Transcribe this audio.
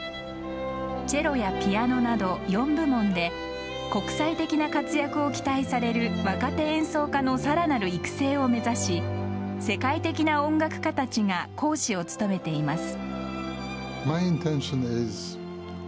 チェロやピアノなど４部門で国際的な活躍を期待される若手演奏家のさらなる育成を目指し世界的な音楽家たちが講師を務めています。